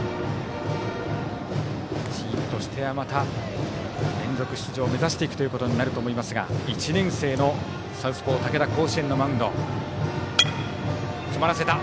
チームとしては連続出場を目指していくことになると思いますが１年生のサウスポー竹田、甲子園のマウンド。